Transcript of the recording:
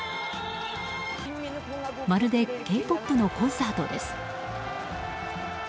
まるでＫ‐ＰＯＰのコンサートです。